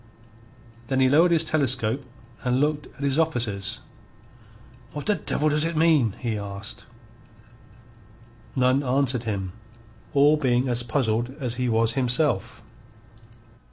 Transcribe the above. Then he lowered his telescope and looked at his officers. "What the devil does it mean?" he asked. None answered him, all being as puzzled as he was himself.